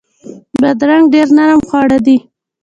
بادرنګ ډیر نرم خواړه دي.